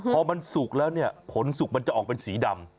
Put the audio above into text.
พอมันสุกแล้วเนี่ยผลสุกมันจะออกเป็นสีดำ